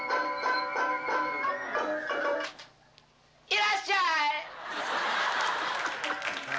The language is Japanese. いらっしゃい！